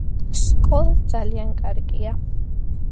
სკოლა ძალიან კარგია.